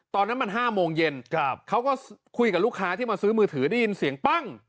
ตอนนั้นมัน๕โมงเย็นเขาก็คุยกับลูกค้าที่มาซื้อมือถือได้ยินเสียงปั้ง